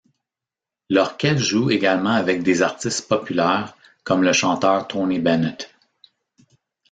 L'orchestre joue également avec des artistes populaires, comme le chanteur Tony Bennett.